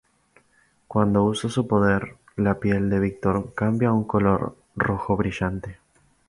Cuando usa su poder, la piel de Victor cambia a un rojo brillante.